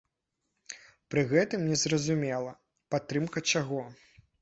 Пры гэтым незразумела, падтрымка чаго?